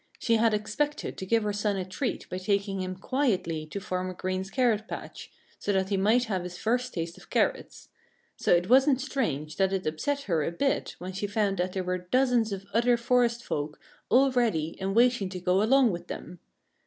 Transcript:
She had expected to give her son a treat by taking him quietly to Farmer Green's carrot patch, so that he might have his first taste of carrots. So it wasn't strange that it upset her a bit when she found that there were dozens of other forest folk all ready and waiting to go along with them.